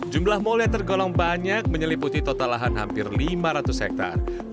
jumlah mal yang tergolong banyak menyeliputi total lahan hampir lima ratus hektare